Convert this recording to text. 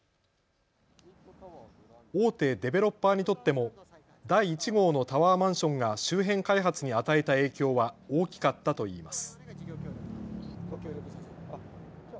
大手デベロッパーにとっても第１号のタワーマンションが周辺開発に与えた影響は大きかったといいます。